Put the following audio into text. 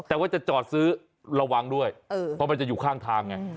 แต่ว่าจะจอดซื้อระวังด้วยเพราะมันจะอยู่ข้างทางไง